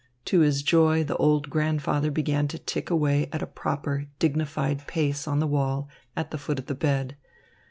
To his joy the old grandfather began to tick away at a proper, dignified pace on the wall at the foot of the bed.